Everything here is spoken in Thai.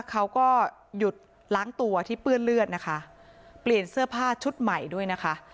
เขาก็หยุดล้างตัวที่เปื้อนเลือดนะคะเปลี่ยนเสื้อผ้าชุดใหม่ด้วยนะคะ